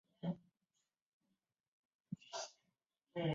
泷之泽号志站石胜线上的号志站。